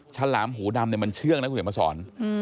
ชาวหลามหูดำมันเชื่องนะคุณเดี๋ยวมาสอน